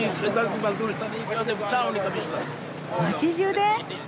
街じゅうで！？